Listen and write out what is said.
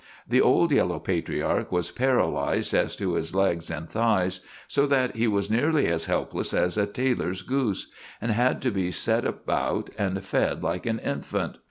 The old yellow patriarch was paralyzed as to his legs and thighs, so that he was nearly as helpless as a tailor's goose, and had to be set about and fed like an infant.